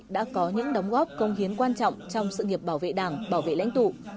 đã có những đóng góp công hiến quan trọng trong sự nghiệp bảo vệ đảng bảo vệ lãnh tụ